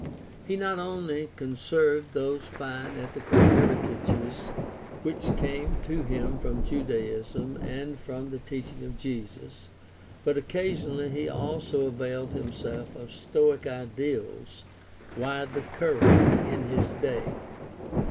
He not only conserved those fine ethical heritages which came to him from Judaism and from the teaching of Jesus, but occasionally he also availed himself of Stoic ideals widely current in his day.